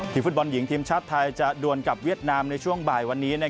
ฟุตบอลหญิงทีมชาติไทยจะดวนกับเวียดนามในช่วงบ่ายวันนี้